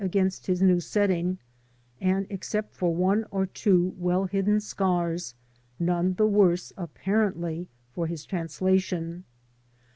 ag0iiist*his new setting, and, except for one or •"••' •"'U^cr'wiB.liildden 'scars. none the wone apparently for his translation.